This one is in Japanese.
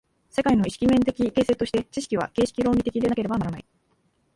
世界の意識面的形成として、知識は形式論理的でなければならない。